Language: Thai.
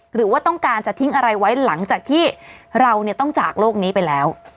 หรือว่าต้องการจะทิ้งอะไรไว้หลังจากที่เราต้องจากโลกนี้ไปแล้ว